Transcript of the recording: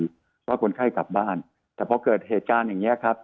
เพราะว่าคนไข้กลับบ้านแต่พอเกิดเหตุการณ์อย่างนี้ครับ